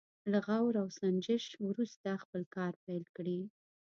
له غور او سنجش وروسته خپل کار پيل کړي.